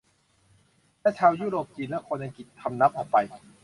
และชาวยุโรปจีนและคนอังกฤษคำนับออกไป